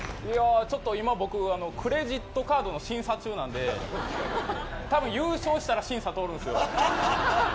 今、僕クレジットカードの審査中なんでたぶん優勝したら審査、通るんですよ。